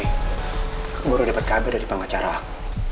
aku baru dapat kabar dari pengacara aku